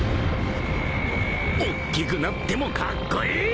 ［おっきくなってもカッコイイ！］